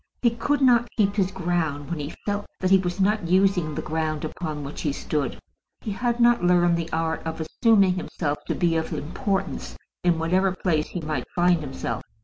He could not keep his ground when he felt that he was not using the ground upon which he stood. He had not learned the art of assuming himself to be of importance in whatever place he might find himself.